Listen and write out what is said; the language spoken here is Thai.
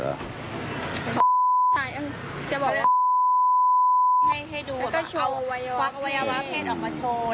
จะบอกว่าให้ดูเอาวัยวะเพศออกมาโชว์